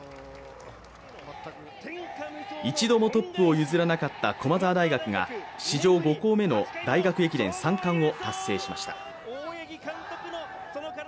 一度もトップを譲らなかった駒澤大学が史上５校目の大学駅伝３冠を達成しました。